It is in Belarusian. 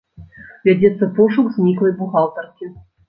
Вядзецца пошук зніклай бухгалтаркі.